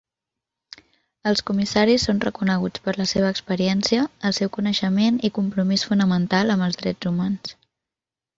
Els comissaris són reconeguts per la seva experiència, el seu coneixement i compromís fonamental amb els drets humans.